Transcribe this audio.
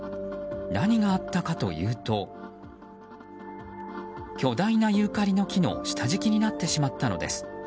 何があったかというと巨大なユーカリの木の下敷きになってしまったのです。